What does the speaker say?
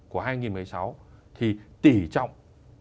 của năm hai nghìn một mươi sáu thì tỉ trọng